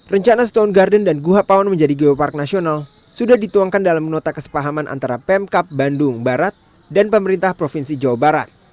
rencana stone garden dan guha paon menjadi geopark nasional sudah dituangkan dalam nota kesepahaman antara pemkap bandung barat dan pemerintah provinsi jawa barat